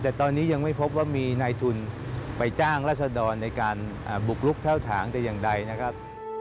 แต่ตอนนี้ยังไม่พบว่ามีนายทุนไปจ้างรัศดรในการบุกลุกเท่าถางแต่อย่างใดนะครับ